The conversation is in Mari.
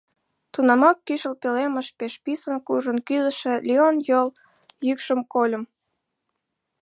Тунамак кӱшыл пӧлемыш пеш писын куржын кӱзышӧ Леон йол йӱкшым кольым.